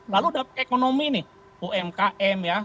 lalu ekonomi nih umkm ya